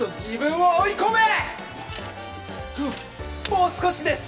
もう少しです！